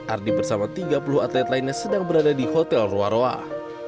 ardi bersama tiga puluh atlet lainnya sedang berada di hotel roa roa